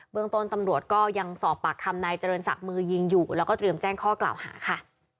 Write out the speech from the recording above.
เมืองต้นตำรวจก็ยังสอบปากคำนายเจริญศักดิ์มือยิงอยู่แล้วก็เตรียมแจ้งข้อกล่าวหาค่ะ